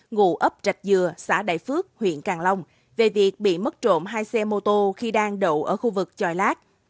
ngụ ấp trạch dừa xã đại phước huyện càng long về việc bị mất trộm hai xe mô tô khi đang đậu ở khu vực chòi lát